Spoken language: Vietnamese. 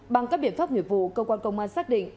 bằng các biện pháp nguyện vụ công an công an xác định